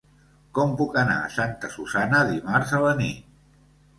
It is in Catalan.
Com puc anar a Santa Susanna dimarts a la nit?